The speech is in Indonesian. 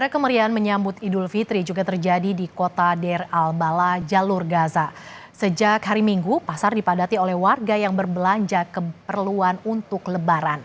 kepala perempuan kita akan mati